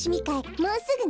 もうすぐね。